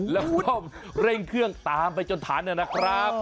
แล้วก็เร่งเครื่องตามไปจนทันนะครับ